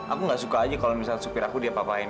aku gak suka aja kalau misal supir aku diapapain